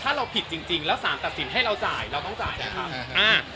ถ้าเราผิดจริงแล้วสารตัดสินให้เราจ่ายเราต้องจ่ายนะครับ